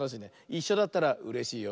いっしょだったらうれしいよ。